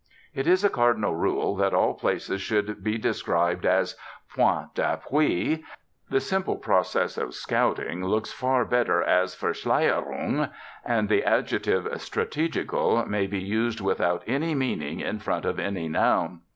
It is (a) cardinal rule that all places should be described as points d'appui, the simple process of scouting looks far better as Verschleierung, and the adjective "strategical" may be used without any meaning in front of any noun.